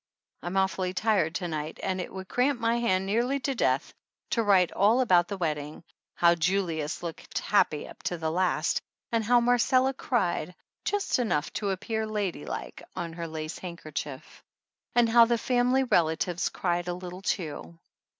I'm awfully tired to night and it would cramp my hand nearly to death to write all about the wedding how Julius looked happy up to the last, and how Marcella cried just enough to ap 137 THE ANNALS OF ANN pear ladylike on her lace handkerchief ; and how the family relatives cried a little too.